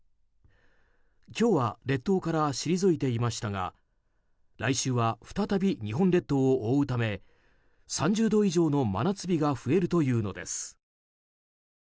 今日は列島から退いていましたが来週は再び日本列島を覆うため３０度以上の真夏日が増えるというのです。